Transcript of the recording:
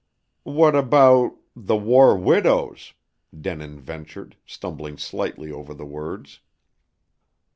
"What about the war widows?" Denin ventured, stumbling slightly over the words.